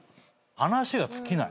話が尽きない。